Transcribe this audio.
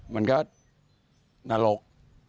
มันก็นรก